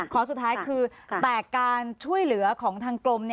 ขอสุดท้ายคือแต่การช่วยเหลือของทางกรม